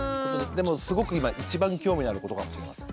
でもすごく今一番興味のあることかもしれません。